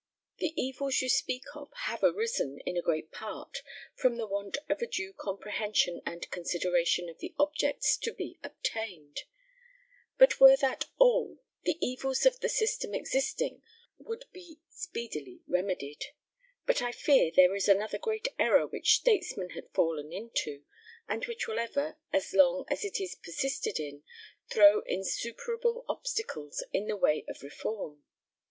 The evils you speak of have arisen, in a great part, from the want of a due comprehension and consideration of the objects to be obtained; but were that all, the evils of the system existing would be speedily remedied; but I fear there is another great error which statesmen have fallen into, and which will ever, as long as it is persisted in, throw insuperable obstacles in the way of reform.